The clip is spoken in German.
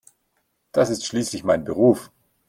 Das ist schließlich mein Beruf.